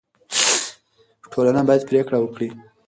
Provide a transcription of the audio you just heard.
ټولنه باید پرېکړه وکړي.